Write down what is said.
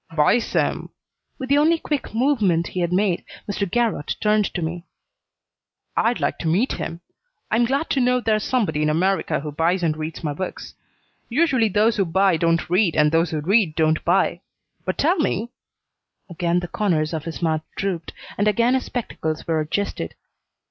"Buys them!" With the only quick movement he had made, Mr. Garrott turned to me. "I'd like to meet him. I'm glad to know there's somebody in America who buys and reads my books. Usually those who buy don't read, and those who read don't buy. But tell me " Again the corners of his mouth drooped, and again his spectacles were adjusted.